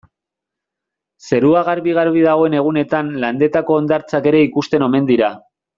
Zerua garbi-garbi dagoen egunetan Landetako hondartzak ere ikusten omen dira.